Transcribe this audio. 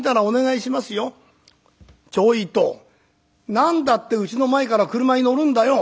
何だってうちの前から俥に乗るんだよ。